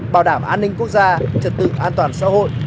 bảo đảm an ninh quốc gia trật tự an toàn xã hội